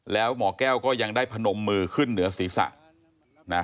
แล้วหมอแก้วก็ยังได้พนมมือขึ้นเหนือศีรษะนะ